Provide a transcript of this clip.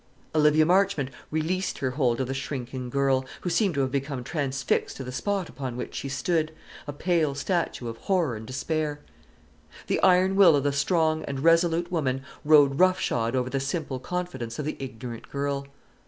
Olivia Marchmont released her hold of the shrinking girl, who seemed to have become transfixed to the spot upon which she stood, a pale statue of horror and despair. The iron will of the strong and resolute woman rode roughshod over the simple confidence of the ignorant girl.